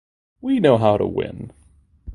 We know how to win.